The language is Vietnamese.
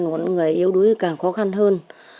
còn những người yếu đuối thì càng khó khăn hơn